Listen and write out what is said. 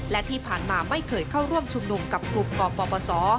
และที่ผ่านมาไม่เคยเข้าร่วมชุมนุมกับกลุ่มกปปศ